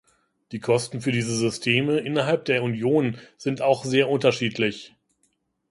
Die Kosten für diese Systeme innerhalb der Union sind auch sehr unterschiedlich.